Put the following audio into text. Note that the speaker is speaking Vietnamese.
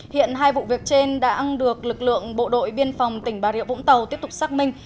hiện hai vụ việc trên đã được lực lượng bộ đội biên phòng tỉnh bà rịa vũng tàu tiếp tục xác minh